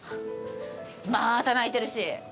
また泣いてるし！